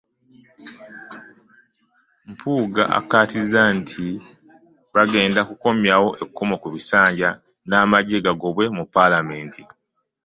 Mpuuga akkaatiriza nti bagenda kukomyawo ekkomo ku bisanja n'amagye gagobwe mu Paalamenti.